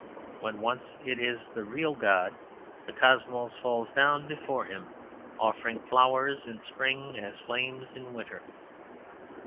When once it is the real God the Cosmos falls down before Him, offering flowers in spring as flames in winter.